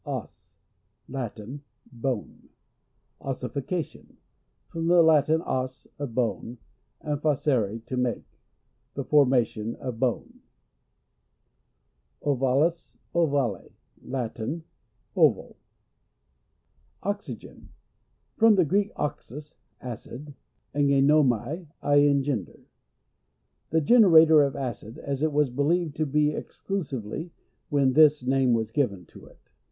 Os. — Latin. Bone. Ossification. — From the Latin, OS, a bone, and facere, to make. The formation of bone. a is. / L at j n Oval. Ovale. \ Oxygen. — From the Greek, oxus, acid, and geinomai, I engender. — The generator of acid, as it was believed to be exclusively, when this name was given to it.